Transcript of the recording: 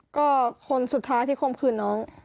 ก็คนสุดท้ายที่คมคืนน้อง